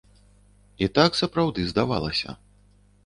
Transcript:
І так сапраўды здавалася.